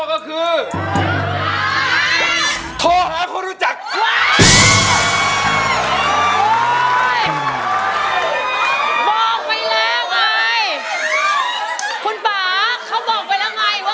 เมื่อกี้บอกวิทย์อยากได้อะไรนะ